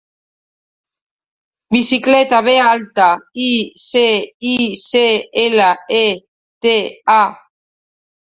Bicicleta: be alta, i, ce, i, ce, ela, e, te, a.